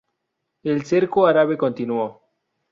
El cerco árabe continuó.